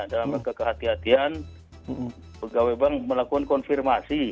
dalam kekehatian pegawai bank melakukan konfirmasi